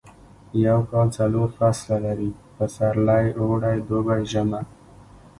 یو کال څلور فصله لري پسرلی اوړی دوبی ژمی